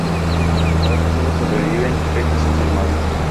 Ahora sólo sobreviven tres de sus hermanas.